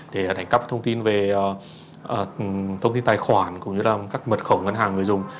hành cấp thông tin về thông tin tài khoản cũng như là các mật khẩu ngân hàng người dùng